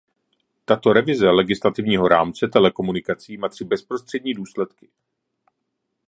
Tato revize legislativního rámce telekomunikací má tři bezprostřední důsledky.